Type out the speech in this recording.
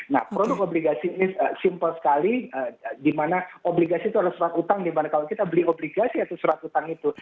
nah produk obligasi ini simpel sekali di mana obligasi itu adalah surat utang di mana kalau kita beli obligasi atau surat utang itu